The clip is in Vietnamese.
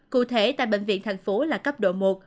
cụ thể tại bệnh viện thành phố là cấp độ một